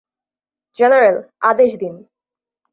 General, আদেশ দিন।